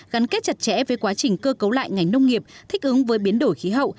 gắn kết chặt chẽ với quá trình cơ cấu lại ngành nông nghiệp thích ứng với biến đổi khí hậu